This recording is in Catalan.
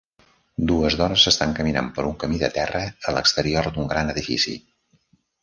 Dues dones estan caminant per un camí de terra a l'exterior d'un gran edifici.